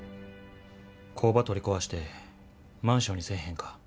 工場取り壊してマンションにせえへんか？